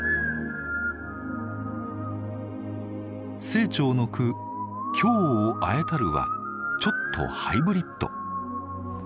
清張の句「京を和えたる」はちょっとハイブリッド。